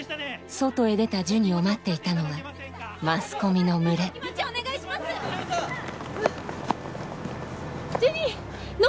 外へ出たジュニを待っていたのはマスコミの群れジュニ乗って！